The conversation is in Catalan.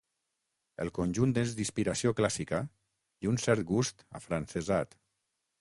El conjunt és d'inspiració clàssica i un cert gust afrancesat.